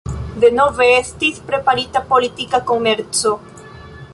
Denove estis preparita politika komerco.